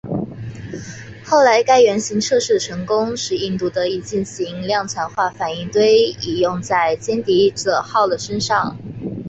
后来该原型测试的成功使印度得以进行量产化反应堆以用在歼敌者号的身上。